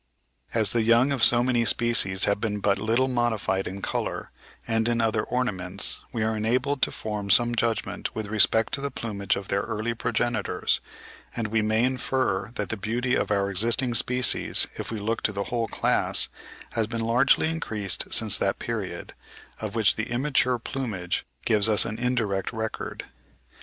As the young of so many species have been but little modified in colour and in other ornaments, we are enabled to form some judgment with respect to the plumage of their early progenitors; and we may infer that the beauty of our existing species, if we look to the whole class, has been largely increased since that period, of which the immature plumage gives us an indirect record.